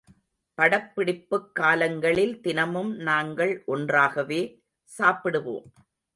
படப்பிடிப்புக் காலங்களில் தினமும் நாங்கள் ஒன்றாகவே சாப்பிடுவோம்.